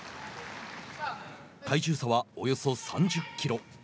体重差はおよそ３０キロ。